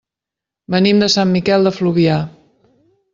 Venim de Sant Miquel de Fluvià.